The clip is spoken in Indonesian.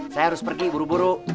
saya harus pergi buru buru